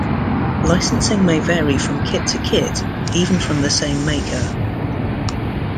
Licensing may vary from kit to kit, even from the same maker.